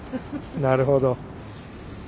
なるほど。